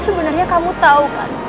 sebenarnya kamu tahu kan